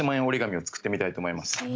折り紙を作ってみたいと思います。